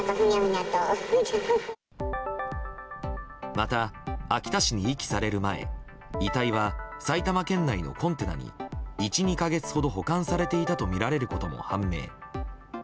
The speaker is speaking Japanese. また、秋田市に遺棄される前遺体は埼玉県内のコンテナに１２か月ほど保管されていたとみられることも判明。